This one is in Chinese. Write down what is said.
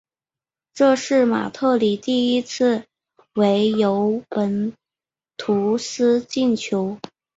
这是马特里第一次为尤文图斯进球。